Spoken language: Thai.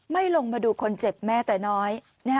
ลงมาดูคนเจ็บแม้แต่น้อย